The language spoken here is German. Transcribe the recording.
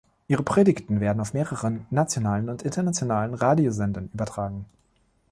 Ihre Predigten werden auf mehreren nationalen und internationalen Radiosendern übertragen.